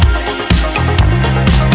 katanya di cabangul